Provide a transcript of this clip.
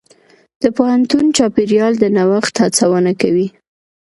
د پوهنتون چاپېریال د نوښت هڅونه کوي.